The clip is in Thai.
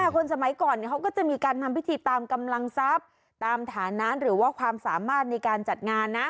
คนสมัยก่อนเขาก็จะมีการทำพิธีตามกำลังทรัพย์ตามฐานะหรือว่าความสามารถในการจัดงานนะ